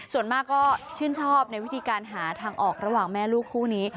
ส่วนมากก็ชื่นชอบในวิธีการหาทางออกระหว่างแม่ลูกคู่นี้